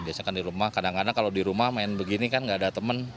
biasanya kan di rumah kadang kadang kalau di rumah main begini kan nggak ada temen